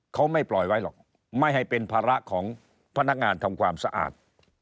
เขาไม่ปล่อยไว้หรอกไม่ให้เป็นภาระของพนักงานทำความสะอาด